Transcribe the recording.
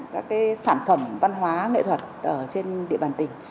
các sản phẩm văn hóa nghệ thuật ở trên địa bàn tỉnh